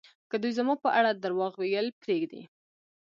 که دوی زما په اړه درواغ ویل پرېږدي